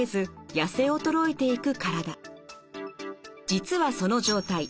実はその状態